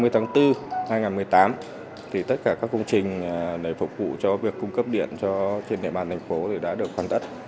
công tác đầu tư xây dựng một sửa chở lớn các công trình để phục vụ cho việc cung cấp điện trên địa bàn thành phố đã được hoàn tất